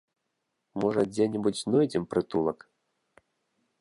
Можа дзе-небудзь знойдзем прытулак.